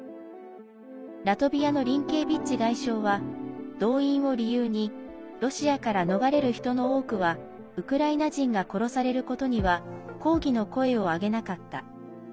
ラトビアのリンケービッチ外相は動員を理由にロシアから逃れる人の多くはウクライナ人が殺されることには抗議の声を上げなかった。